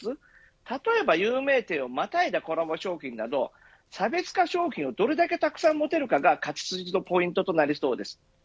例えば有名店をまたいだコラボ商品など差別化商品をどれだけたくさん持てるかが勝ち筋のポイントになりそうです。